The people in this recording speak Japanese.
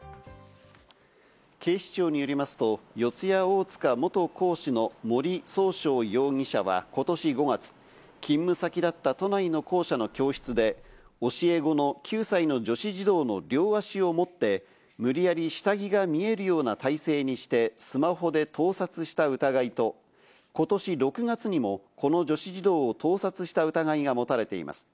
警視庁によりますと、四谷大塚・元講師の森崇翔容疑者は今年５月、勤務先だった都内の校舎の教室で教え子の９歳の女子児童の両足を持って、無理やり下着が見えるような体勢にして、スマホで盗撮した疑いと、ことし６月にもこの女子児童を盗撮した疑いが持たれています。